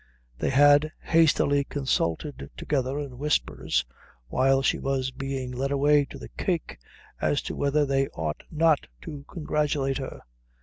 They had hastily consulted together in whispers while she was being led away to the cake as to whether they ought not to congratulate her.